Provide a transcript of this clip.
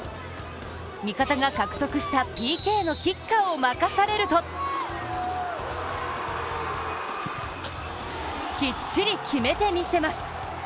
味方が獲得したＰＫのキッカーを任されるときっちり決めてみせます。